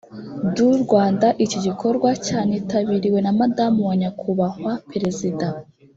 du rwanda iki gikorwa cyanitabiriwe na madamu wa nyakubahwa perezida